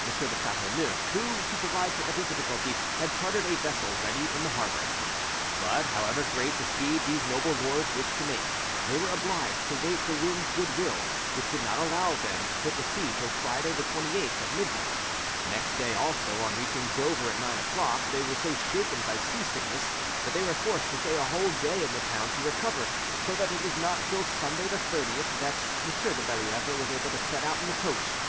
de Chateauneuf, who, to provide for every difficulty, had chartered a vessel ready in the harbour. But however great the speed these noble lords wished to make, they were obliged to await the wind's good will, which did not allow them to put to sea till Friday 28th at midnight; next day also, on reaching Dover at nine o'clock, they were so shaken by sea sickness that they were forced to stay a whole day in the town to recover, so that it was not till Sunday 30th that M. de Bellievre was able to set out in the coach that M.